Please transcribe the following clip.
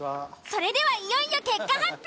それではいよいよ結果発表。